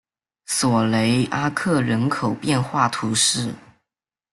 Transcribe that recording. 索雷阿克人口变化图示